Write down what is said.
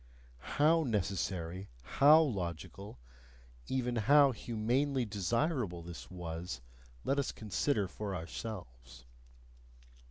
HOW necessary, HOW logical, even HOW humanely desirable this was, let us consider for ourselves!